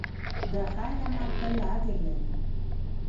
د خیر عمل تل اجر لري.